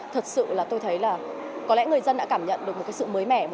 thật sự là tôi thấy là có lẽ người dân đã cảm nhận được một cái sự mới mẻ